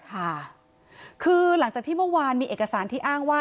คือหลังจากที่เมื่อวานมีเอกสารที่อ้างว่า